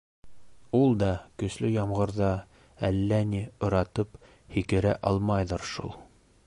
Ул да көслө ямғырҙа әллә ни ыратып һикерә алмайҙыр шул.